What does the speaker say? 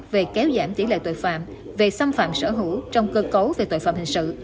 về kéo giảm tỷ lệ tội phạm về xâm phạm sở hữu trong cơ cấu về tội phạm hình sự